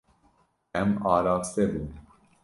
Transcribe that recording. Em araste bûn.